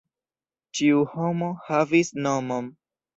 Ĉiu homo havis nomon.